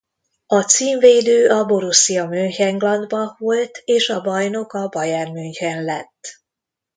A címvédő a Borussia Mönchengladbach volt és a bajnok a Bayern München lett.